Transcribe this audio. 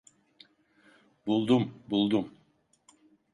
Buldum, buldum.